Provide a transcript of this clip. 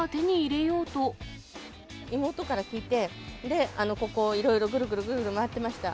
妹から聞いて、ここ、いろいろ、ぐるぐるぐるぐる回ってました。